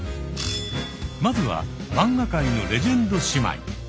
まずは漫画界のレジェンド姉妹。